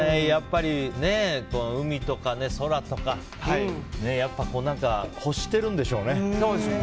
やっぱり海とか空とかやっぱ、欲してるんでしょうね。